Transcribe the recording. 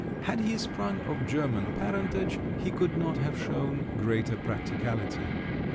Had he sprung of German parentage, he could not have shown greater practicality.